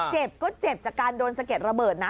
เจ็บก็เจ็บจากการโดนสะเก็ดระเบิดนะ